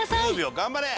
頑張れ！